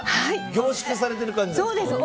凝縮されてる感じですか。